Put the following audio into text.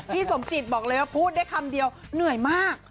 สมจิตบอกเลยว่าพูดได้คำเดียวเหนื่อยมาก